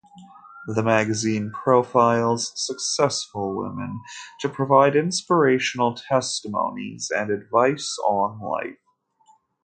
The magazine profiles successful women to provide inspirational testimonies and advice on life.